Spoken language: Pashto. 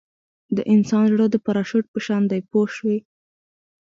د انسان زړه د پراشوټ په شان دی پوه شوې!.